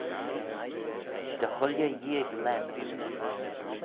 Dy chooilley yeeig lane